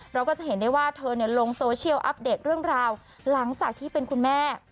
เราก็จะเห็นได้ว่าเธอลงโซเชียลอัปเดตเรื่องราวหลังจากที่เป็นคุณแม่